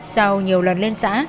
sau nhiều lần lên xã